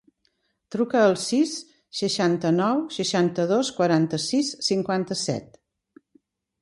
Truca al sis, seixanta-nou, seixanta-dos, quaranta-sis, cinquanta-set.